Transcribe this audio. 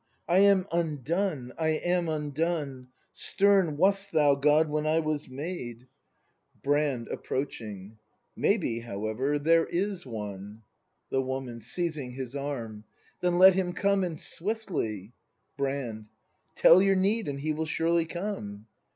I am undone! I am undone! Stern wast thou, God, when I was made! 62 BRAND [act i J Brand. [Approaching.] Maybe, however, there is one. The Woman. [Seizing his arm.] Then let him come, and swiftly! Brand. Tell Your need, and he will surely come.